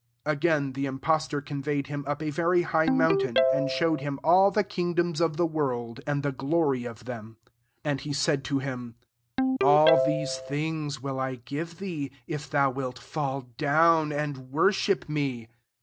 " 8 Again the impostor conveyed him up a very high mountain, and showed him all the kingdoms of the world, and the glory of them; 9 and he said to him, " All these things will I give thee, if thou wilt fall down and worship me."